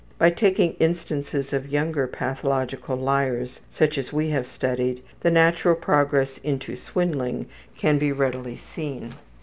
By taking instances of younger pathological liars, such as we have studied, the natural progress into swindling can be readily seen.